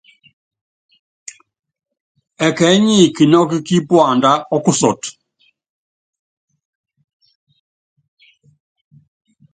Ɛkɛɛ́ nyi kinɔ́kɔ́ kí puandá ɔ́kusɔtɔ.